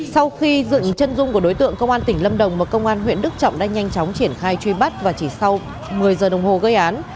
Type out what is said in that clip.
sau khi dựng chân dung của đối tượng công an tỉnh lâm đồng mà công an huyện đức trọng đã nhanh chóng triển khai truy bắt và chỉ sau một mươi giờ đồng hồ gây án